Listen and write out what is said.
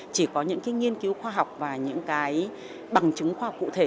chỉ có những cái nghiên cứu khoa học và những cái bằng chứng khoa học cụ thể